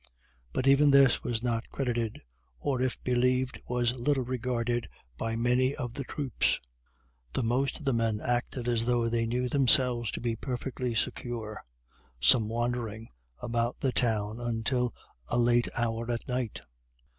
But even this was not credited, or if believed, was little regarded by many of the troops! The most of the men acted as though they knew themselves to be perfectly secure; some wandering; about the town until a late hour at night!